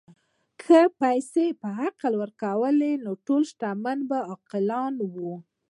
که پیسې عقل ورکولی، نو ټول شتمن به عاقلان وای.